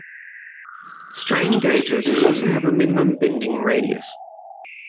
Strain gauges also have a minimum bending radius.